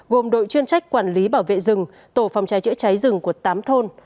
gồm đội chuyên trách quản lý bảo vệ rừng tổ phòng cháy chữa cháy rừng của tám thôn